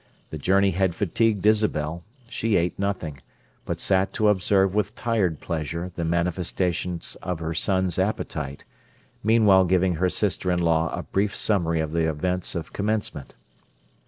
The journey had fatigued Isabel, she ate nothing, but sat to observe with tired pleasure the manifestations of her son's appetite, meanwhile giving her sister in law a brief summary of the events of commencement.